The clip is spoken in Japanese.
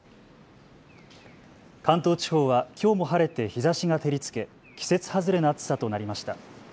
関東地方はきょうも晴れて日ざしが照りつけ季節外れの暑さとなりました。